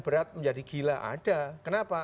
berat menjadi gila ada kenapa